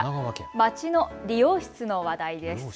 町の理容室の話題です。